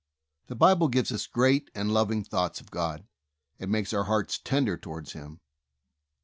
The Bible gives us great and loving thoughts of God, and makes our hearts tender toward Him.